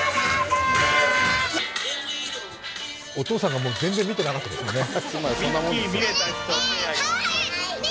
お父さんが全然見てなかったですもんね。